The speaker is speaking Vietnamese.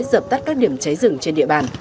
dập tắt các điểm cháy rừng trên địa bàn